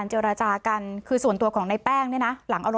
แล้ววาจะมาบ้างไหมเบียร์จะได้รอเอาตังให้